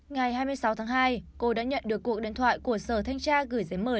ngày hai mươi sáu tháng hai cô đã nhận được cuộc điện thoại của sở thanh tra gửi giấy mời